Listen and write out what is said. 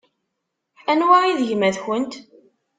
Anwa i d gma-tkent?